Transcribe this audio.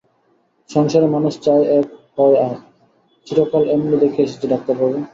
সংসারে মানুষ চায় এক, হয় আর, চিরকাল এমনি দেখে আসছি ডাক্তারবাবু।